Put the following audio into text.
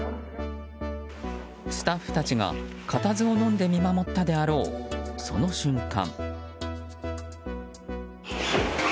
スタッフたちが固唾をのんで見守ったであろうその瞬間。